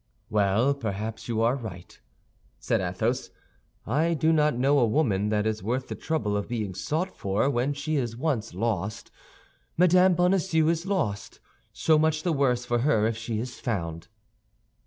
"Well, perhaps you are right," said Athos. "I do not know a woman that is worth the trouble of being sought for when she is once lost. Madame Bonacieux is lost; so much the worse for her if she is found."